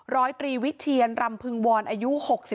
ร้อยตรีวิเชียนรำพึงวรอายุ๖๒